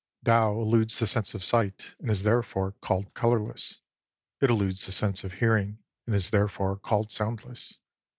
19 Tao eludes the sense of sight, and is therefore called colourless. It eludes the sense of hearing, and is therefore called soundless.